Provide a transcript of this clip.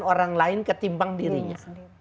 orang lain ketimbang dirinya